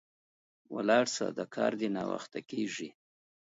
ولاړ سه، د کار دي ناوخته کیږي